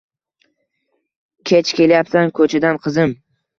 Kech kelyapsan kuchadan quzim